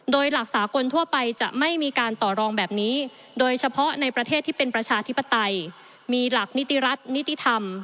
โดยหลักสากลทั่วไปจะไม่มีการต่อรองแบบนี้โดยเฉพาะในประเทศที่เป็นประชาธิปไตยมีหลักนิติรัฐนิติธรรม